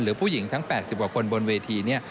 หรือผู้หญิงทั้งแปดสิบกว่าคนบนเวที